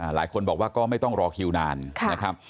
หลายคนบอกว่าก็ไม่ต้องรอคิวนานนะครับ